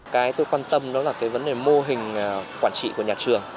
cái tôi quan tâm đó là cái vấn đề mô hình quản trị của nhà trường